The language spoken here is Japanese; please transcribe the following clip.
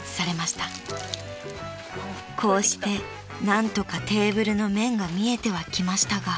［こうして何とかテーブルの面が見えてはきましたが］